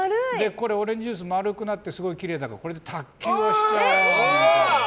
オレンジジュース丸くなってすごいきれいだからこれで卓球をしちゃうみたいな。